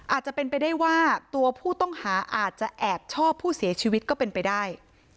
อาจจะเป็นไปได้ว่าตัวผู้ต้องหาอาจจะแอบชอบผู้เสียชีวิตก็เป็นไปได้